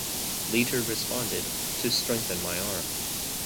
Leiter responded, To strengthen my arm.